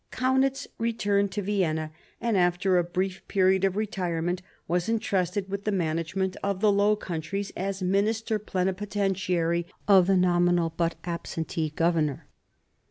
Kaunitz returned to Vienna, and after a brief period of retirement was entrusted with the management of the Low Countries as minister plenipotentiary of the nominal but absentee governor.